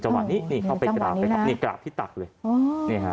จังหวะนี้นะนี่เข้าไปกราบไปนะนี่กราบที่ตัดเลย